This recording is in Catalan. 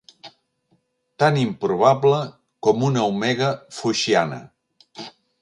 Tan improbable com una omega foixiana.